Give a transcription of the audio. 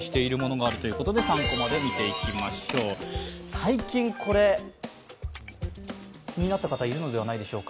最近、これ気になった方、いるのではないでしょうか。